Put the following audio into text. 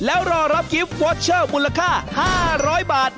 แล้วรอรับกิฟต์วอเชอร์มูลค่า๕๐๐บาท